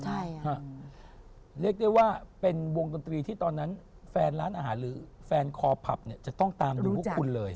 ใช่เรียกได้ว่าเป็นวงต้นตรีที่ตอนนั้นแฟนร้านอาหารหรือแฟนคอร์พับจะต้องตามดูคุณเลย